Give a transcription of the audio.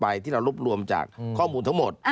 ที่เรารวบรวมจากข้อมูลทั้งหมด